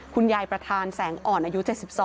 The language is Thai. คุณยายประธานแสงอ่อนอายุ๗๒